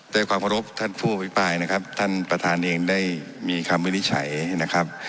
ด้วยความขอรบท่านผู้อภิปรายนะครับท่านประธานเองได้มีคำวินิจฉัยนะครับ